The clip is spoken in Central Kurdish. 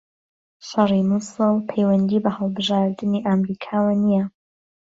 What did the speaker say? شەڕی موسڵ پەیوەندی بە هەڵبژاردنی ئەمریکاوە نییە